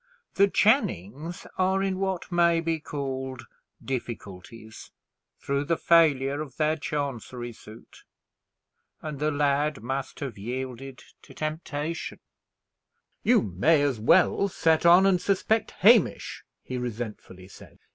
The Channings are in what may be called difficulties, through the failure of their Chancery suit, and the lad must have yielded to temptation." Mr. Galloway could not be brought to see it. "You may as well set on and suspect Hamish," he resentfully said.